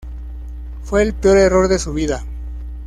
Fue el peor error de su vida.